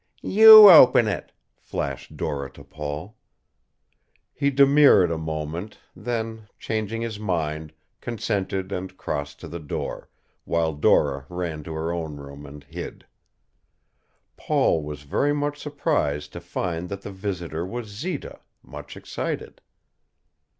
"You open it," flashed Dora to Paul. He demurred a moment, then, changing his mind, consented and crossed to the door, while Dora ran to her own room and hid. Paul was very much surprised to find that the visitor was Zita, much excited.